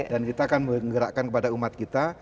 kita akan menggerakkan kepada umat kita